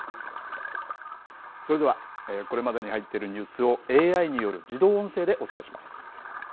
それではこれまでに入っているニュースをＡＩによる自動音声